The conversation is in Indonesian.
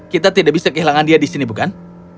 kita tidak bisa kehilangan dia di sini bukan